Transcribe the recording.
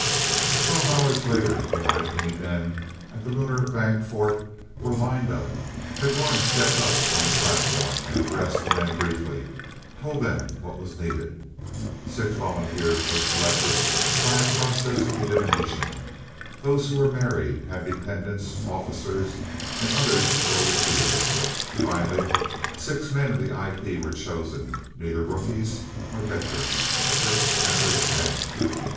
Twelve hours later, the IP men at the Lunar Bank fort were lined up. McLaurin stepped up on the platform, and addressed the men briefly, told them what was needed. Six volunteers were selected by a process of elimination, those who were married, had dependents, officers, and others were refused. Finally, six men of the IP were chosen, neither rookies nor veterans, six average men.